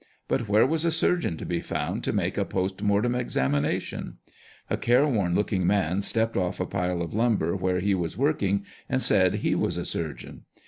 But where was a surgeon to be found, to make a post mor tem examination ? A careworn looking man stepped off a pile of lumber where he was work ing, and said he was a surgeon.